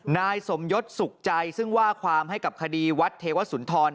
นายสมยศสุขใจซึ่งว่าความให้กับคดีวัดเทวสุนทร